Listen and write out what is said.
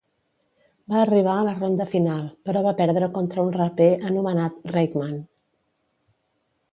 Va arribar a la ronda final, però va perdre contra un raper anomenat Reign Man.